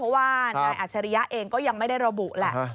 เพราะว่านายอัชริยะเองก็ยังไม่ได้ระบุแหละ